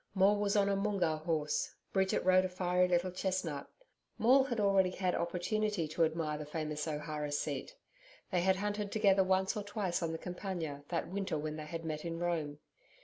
Maule was on a Moongarr horse, Bridget rode a fiery little chestnut. Maule had already had opportunity to admire the famous O'Hara seat. They had hunted together once or twice on the Campagna, that winter when they had met in Rome.